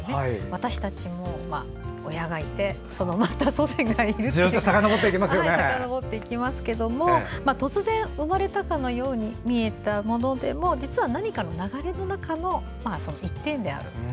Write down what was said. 私たちも親がいてそのまた祖先がいるとさかのぼっていきますけど突然生まれたかのように見えたものでも実は何かの流れの中の１点であると。